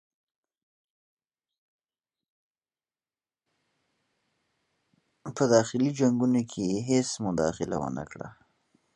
په داخلي جنګونو کې یې هیڅ مداخله ونه کړه.